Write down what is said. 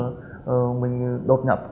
để mình đột nhập